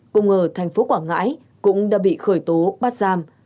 cùng ở thành phố quảng ngãi cũng đã bị khởi tố bắt giam